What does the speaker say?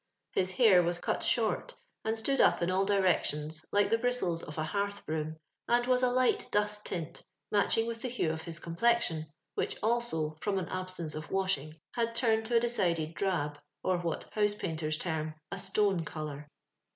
His hair was cut short, and stood up in all directions, like the bristles of a hearth broom, and was a light dust tint, matching with the hue of his com plexion, which also, from an absence of wash ing, had turned to a decided drab, or what house painters term a stone colour.